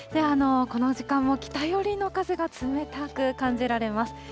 この時間も北寄りの風が冷たく感じられます。